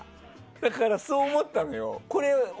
だから、そう思ったのよ。